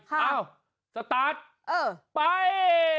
เอ้าสตาร์ทไป